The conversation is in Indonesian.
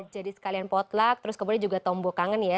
jadi sekalian potlat terus kemudian juga tombol kangen ya